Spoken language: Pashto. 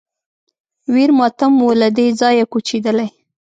ویر ماتم و له دې ځایه کوچېدلی